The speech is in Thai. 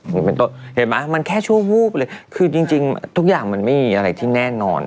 เห็นมั้ยมันแค่ชั่ววูบเลยคือจริงทุกอย่างมันไม่มีอะไรที่แน่นอน